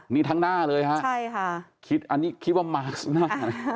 นี่ทั้งหน้าเลยฮะใช่ค่ะคิดอันนี้คิดว่ามาร์คหน้า